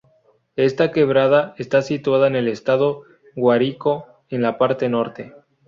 Esta quebrada está situada en el estado Guárico en la parte norte.